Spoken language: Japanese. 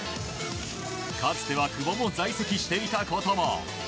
かつては久保も在籍していたことも。